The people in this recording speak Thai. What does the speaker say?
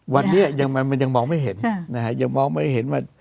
วันนี้มันยังมองไม่เห็นนะฮะยังมองไม่เห็นว่า